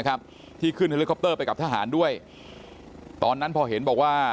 ที่ขึ้นเฮลิคอปเตอร์ไปกับทหารด้วยตอนนั้นพอเห็นบอกว่า